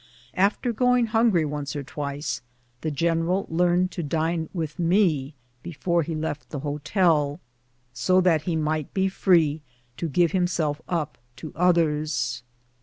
After going hungry once or twice, the general learned to dine with me before he left the hotel, so that he might be free to give himself up to others.